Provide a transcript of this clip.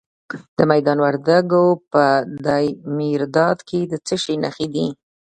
د میدان وردګو په دایمیرداد کې د څه شي نښې دي؟